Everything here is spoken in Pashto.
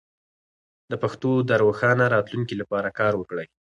د پښتو د روښانه راتلونکي لپاره کار وکړئ.